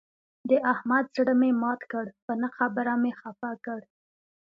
د احمد زړه مې مات کړ، په نه خبره مې خپه کړ.